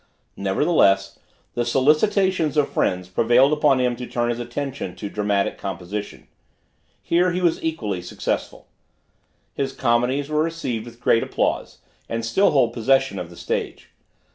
Nevertheless, the solicitations of friends prevailed upon him to turn his attention to Dramatic composition. Here he was equally successful. His comedies were received with great applause, and still hold possession of the stage.